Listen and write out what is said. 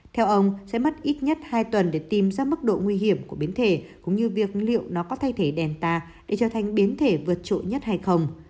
theo ông sẽ mất ít nhất hai tuần để tìm ra mức độ nguy hiểm của biến thể cũng như việc liệu nó có thay thể đèn ta để trở thành biến thể vượt trội nhất hay không